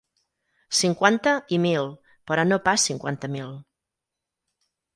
Cinquanta i mil, però no pas cinquanta mil.